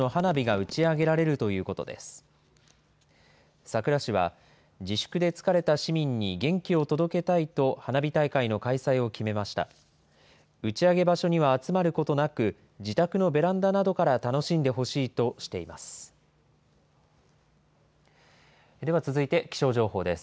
打ち上げ場所には集まることなく、自宅のベランダなどから楽しんでほしいとしています。